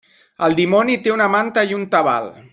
El dimoni té una manta i un tabal.